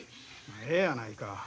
ええやないか。